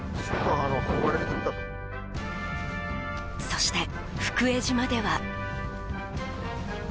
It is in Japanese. そして、福江島では。